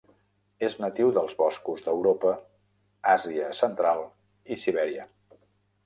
És natiu dels boscos d'Europa, Àsia Central i Sibèria.